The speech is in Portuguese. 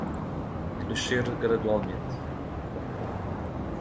Crescer gradualmente